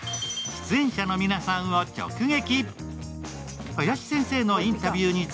出演者の皆さんを直撃！